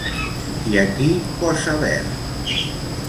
I a qui posa verd?